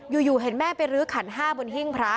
อยู่เห็นแม่ไปรื้อขันห้าบนหิ้งพระ